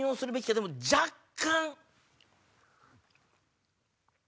でも若干。